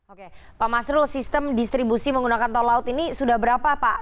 oke pak masrul sistem distribusi menggunakan tol laut ini sudah berapa pak